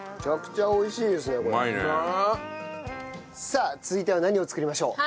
さあ続いては何を作りましょう？